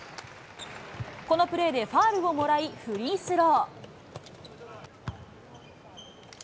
このプレーでファウルをもらい、フリースロー。